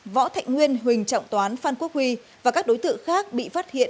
võ thạnh nguyên huỳnh trọng toán phan quốc huy và các đối tượng khác bị phát hiện